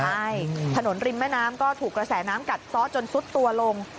ใช่ถนนริมแม่น้ำก็ถูกกระแสน้ำกัดซ้อจนซุดตัวลง